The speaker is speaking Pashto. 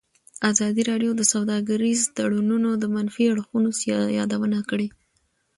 ازادي راډیو د سوداګریز تړونونه د منفي اړخونو یادونه کړې.